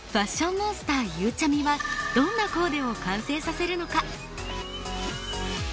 モンスターゆうちゃみはどんなコーデを完成させるのか？